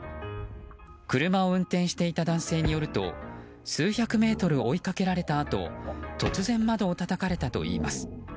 車を運転していた男性によると数百メートル追いかけられたあと突然、窓をたたかれたといいます。